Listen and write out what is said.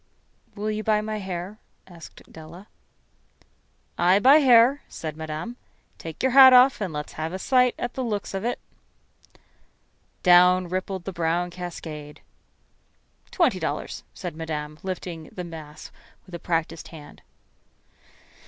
"Will you buy my hair?" asked Della. "I buy hair," said Madame. "Take yer hat off and let's have a sight at the looks of it." Down rippled the brown cascade. "Twenty dollars," said Madame, lifting the mass with a practiced hand.